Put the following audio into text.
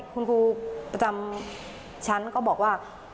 คุณครูประจำชั้นก็บอกว่า